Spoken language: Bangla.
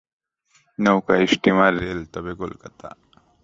নৌকা, স্টিমার, রেল, তবে কলকাতা।